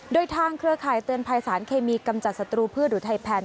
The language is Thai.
โดยทางเครือข่ายเตือนภัยสารเคมีกำจัดศัตรูพืชหรือไทยแพน